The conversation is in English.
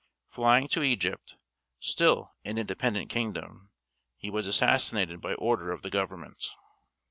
Flying to Egypt, still an independent kingdom, he was assassinated by order of the government.